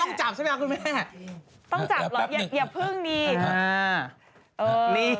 ต้องจับล่ะอย่าเพึ่งนี้